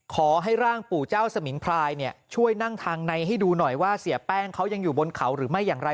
ขอให้ร่างปู่เจ้าสมิงพรายช่วยนั่งทางในให้ดูหน่อยว่าเสียแป้งเขายังอยู่บนเขาหรือไม่อย่างไร